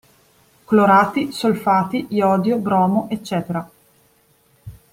Clorati, solfati, iodio, bromo, ecc.